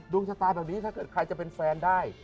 ชะตาแบบนี้ถ้าเกิดใครจะเป็นแฟนได้